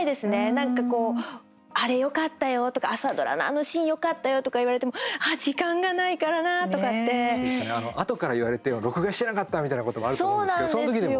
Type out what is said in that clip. なんか「あれよかったよ」とか「朝ドラのあのシーンよかったよ」とか言われてもあとから言われても録画してなかったみたいなこともあると思うんですけど。